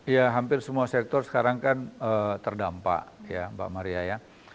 ya hampir semua sektor sekarang kan terdampak ya mbak maria ya